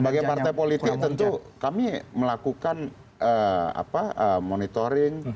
sebagai partai politik tentu kami melakukan monitoring